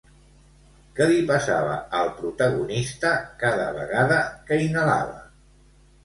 Què li passava al protagonista cada vegada que inhalava?